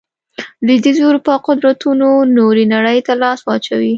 لوېدیځې اروپا قدرتونو نورې نړۍ ته لاس واچوي.